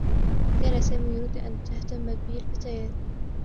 كان سامي يريد أن تهتمّ به الفتيات.